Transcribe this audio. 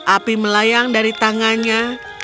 api melayang dari tangannya